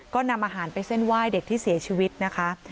ก็นำอาหารไปเส้นไหว้เด็กที่เสียชีวิตนะคะ